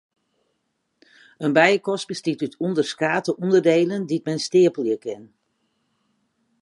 In bijekast bestiet út ûnderskate ûnderdielen dy't men steapelje kin.